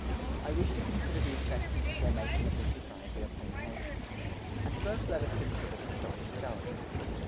I wish to consider the effects of the formation of this society upon the nation. And first let us consider the stock itself.